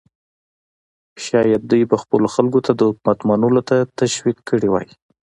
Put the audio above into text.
شاید دوی به خپلو خلکو ته د حکومت منلو ته تشویق کړي وای.